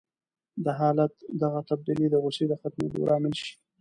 د حالت دغه تبديلي د غوسې د ختمېدو لامل شي.